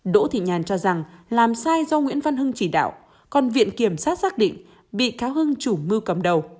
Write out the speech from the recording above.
đỗ thị nhàn cho rằng làm sai do nguyễn văn hưng chỉ đạo còn viện kiểm sát xác định bị cáo hưng chủ mưu cầm đầu